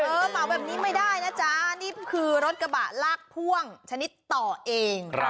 เหมาแบบนี้ไม่ได้นะจ๊ะนี่คือรถกระบะลากพ่วงชนิดต่อเอง